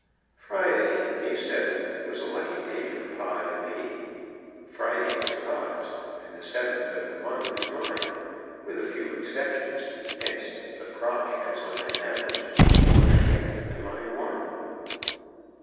Friday, May seventh, was a lucky day for Pod and me. Friday is Pod's and the seventh of the month is mine, with a few exceptions; hence, the Prof, has on an average of four and a half to my one.